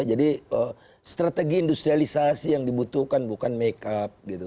jadi strategi industrialisasi yang dibutuhkan bukan make up gitu